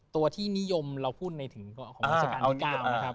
ตัวที่นิยมเราพูดในถึงของพฤศกาลนี้ก้าวนะครับ